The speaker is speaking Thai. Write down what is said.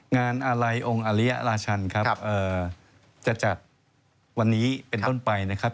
งานอาลัยองค์อริยราชันครับจะจัดวันนี้เป็นต้นไปนะครับ